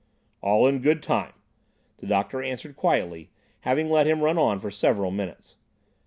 "All in good time," the doctor answered quietly, having let him run on for several minutes.